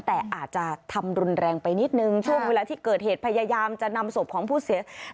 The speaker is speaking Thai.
แต่อาจจะทำรุนแรงไปนิดนึงช่วงเวลาที่เกิดเหตุพยายามจะนำศพของผู้เสียชีวิต